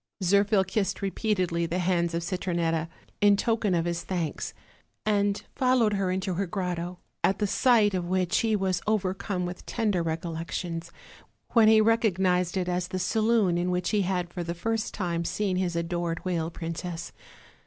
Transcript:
Zirphil kissed repeatedly the hands of Citronetta, in token of his thanks, and followed her into her grotto, at the sight of which he was overcome with tender recollec tions, when he recognized it as the saloon in which he had for the first time seen his adored whale princess.